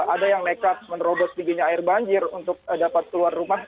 ada yang nekat menerobos tingginya air banjir untuk dapat keluar rumah